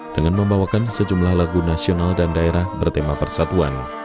dengan membawakan sejumlah lagu nasional dan daerah bertema persatuan